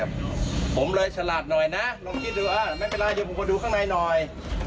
ผมเลยฉลาดหน่อยนะลองคิดดูอ่าไม่เป็นไรเดี๋ยวผมมาดูข้างในหน่อย